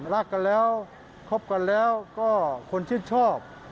รักกันแล้วคบกันแล้วก็คนชื่นชอบ